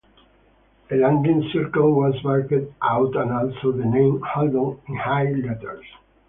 A landing circle was marked out and also the name "Haldon" in high letters.